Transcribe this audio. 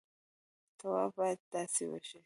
طواف باید داسې وشي.